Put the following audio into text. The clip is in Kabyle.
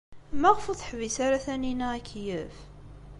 Maɣef ur teḥbis ara Taninna akeyyef?